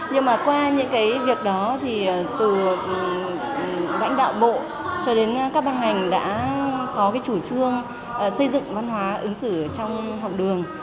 nhưng mà qua những cái việc đó thì từ lãnh đạo bộ cho đến các ban ngành đã có cái chủ trương xây dựng văn hóa ứng xử trong học đường